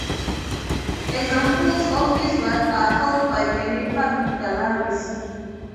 Examples of his work are held by many public galleries.